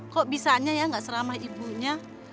kok bisanya ya gak seramah ibunya